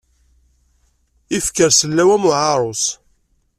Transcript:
Ifker sellaw am uɛarus.